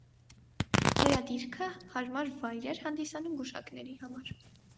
Նրա դիրքը հարմար վայր էր հանդիսանում գուշակների համար։